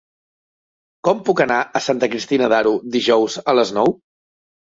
Com puc anar a Santa Cristina d'Aro dijous a les nou?